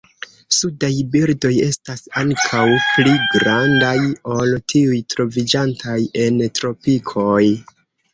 Sudaj birdoj estas ankaŭ pli grandaj ol tiuj troviĝantaj en tropikoj.